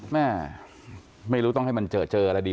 แม่ไม่รู้ต้องให้มันเจอเจออะไรดี